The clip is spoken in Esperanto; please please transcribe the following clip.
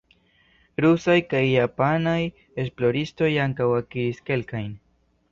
Rusaj kaj japanaj esploristoj ankaŭ akiris kelkajn.